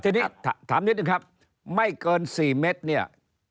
ทีนี้ถามนิดนึงครับไม่เกิน๔เมตรเนี่ย